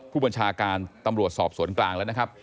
ผู้บัญชาการตำรวจสอบสวนกลางแล้วนะครับ